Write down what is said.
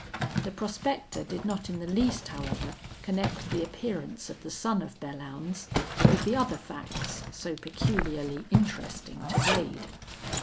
The prospector did not in the least, however, connect the appearance of the son of Belllounds with the other facts so peculiarly interesting to Wade.